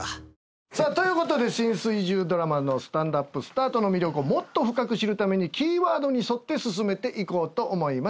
さあということで新水１０ドラマの『スタンドＵＰスタート』の魅力をもっと深く知るためにキーワードに沿って進めていこうと思います。